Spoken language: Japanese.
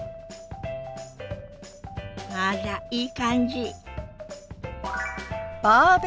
あらいい感じ。